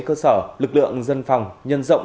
cơ sở lực lượng dân phòng nhân rộng